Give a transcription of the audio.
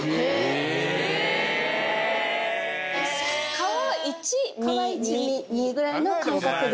皮１身２。ぐらいの感覚で。